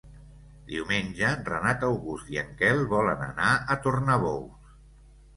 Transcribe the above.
Diumenge en Renat August i en Quel volen anar a Tornabous.